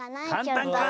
かんたんか。